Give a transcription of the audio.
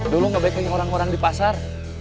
dulu ngebaiknya orang orang di pasar